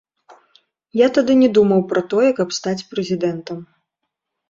Я тады не думаў пра тое, каб стаць прэзідэнтам.